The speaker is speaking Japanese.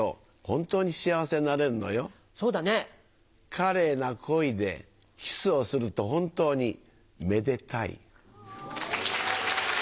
カレイな恋でキスをすると本当にめでタイ。